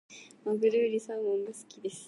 マグロよりサーモンが好きです。